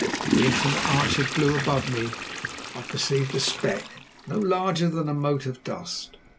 In the infinite arch of blue above me I perceived a speck, no larger than a mote of dust.